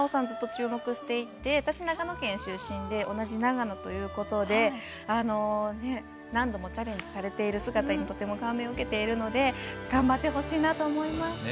ずっと注目していて私、長野県出身で同じ長野ということで何度もチャレンジされている姿にとても感銘を受けているので頑張ってほしいなと思います。